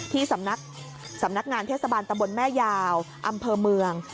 ที่สำนักสำนักงานเทศบาลตะบนแม่ยาวอำเภอเมือง